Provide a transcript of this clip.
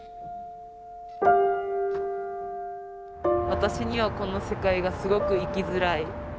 私にはこの世界がすごく生きづらい。